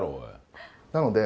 なので。